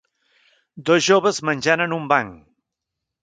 dos joves menjant en un banc.